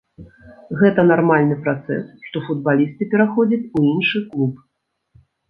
Гэта нармальны працэс, што футбалісты пераходзяць у іншы клуб.